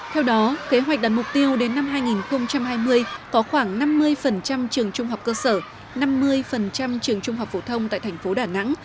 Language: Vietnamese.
theo đó kế hoạch đặt mục tiêu đến năm hai nghìn hai mươi có khoảng năm mươi trường trung học cơ sở năm mươi trường trung học phổ thông tại thành phố đà nẵng